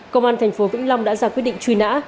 công an tp vĩnh long đã ra quyết định truy nã